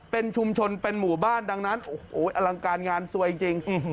เป็นชุมชนเป็นหมู่บ้านดังนั้นโอ้โหอลังการงานซวยจริง